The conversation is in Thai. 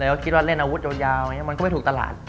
แล้วเราคิดว่าเล่นอาวุธยาวมันก็ไม่ถูกตลาด